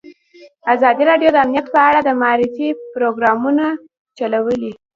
ازادي راډیو د امنیت په اړه د معارفې پروګرامونه چلولي.